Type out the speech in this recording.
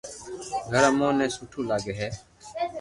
گھر اموني ني سٺو لاگي ھي